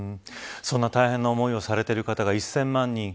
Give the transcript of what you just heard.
そんな大変な思いをされている方が１０００万人